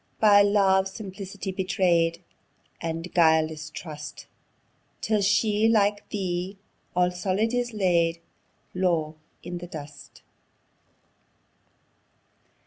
By love's simplicity betray'd, And guileless trust; Till she, like thee, all soil'd, is laid Low i' the dust.